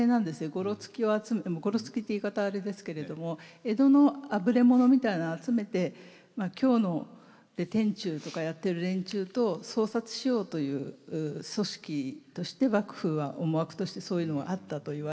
ごろつきを集めごろつきって言い方はあれですけれども江戸のあぶれ者みたいなのを集めて京の天誅とかやってる連中と相殺しようという組織として幕府は思惑としてそういうのがあったといわれています。